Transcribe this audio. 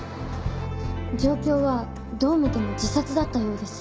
状況はどう見ても自殺だったようです。